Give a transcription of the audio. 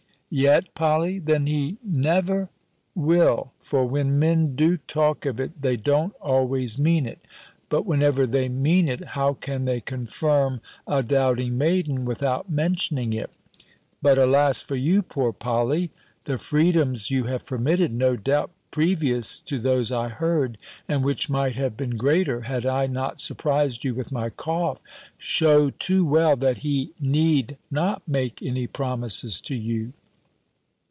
"Yet, Polly! Then he never. will. For when men do talk of it, they don't always mean it: but whenever they mean it, how can they confirm a doubting maiden, without mentioning it: but alas for you, poor Polly! The freedoms you have permitted, no doubt, previous to those I heard, and which might have been greater, had I not surprised you with my cough, shew too well, that he need not make any promises to you."